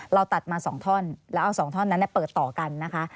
เราตัดมา๒ท่อนแล้วเอา๒ท่อนนั้นเปิดต่อกันนะคะ